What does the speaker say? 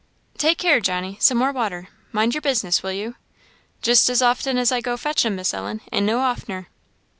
"Take care, Johnny! some more water mind your business, will you? Just as often as I go to fetch 'em, Miss Ellen, and no oftener."